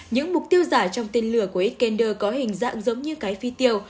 những mục tiêu giả trong tên lửa của ecelder có hình dạng giống như cái phi tiêu